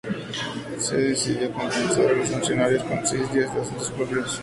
Se decidió compensar a los funcionarios con seis días de asuntos propios.